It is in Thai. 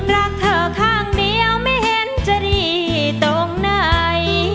รักเธอข้างเดียวไม่เห็นจะดีตรงไหน